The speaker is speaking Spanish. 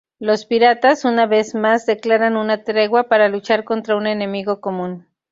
Los piratas una vez más declaran una tregua para luchar contra un enemigo común.